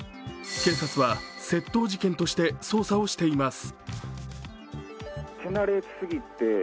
警察は窃盗事件として捜査をしています。